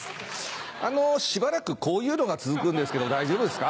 あのしばらくこういうのが続くんですけど大丈夫ですか？